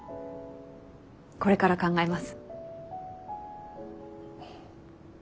これから考えます。